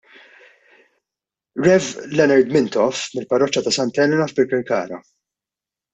Rev. Leonard Mintoff mill-parroċċa ta' Santa Elena f'Birkirkara.